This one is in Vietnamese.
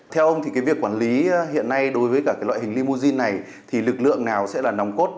theo ông thì cái việc quản lý hiện nay đối với cả cái loại hình limousine này thì lực lượng nào sẽ là nòng cốt